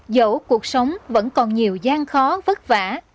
dẫu cuộc sống vẫn còn nhiều gian khó vất vả